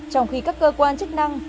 trong khi các cơ quan chức năng